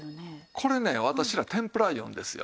これね私ら「天ぷら」言うんですよ。